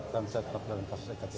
transat dan kasus iktp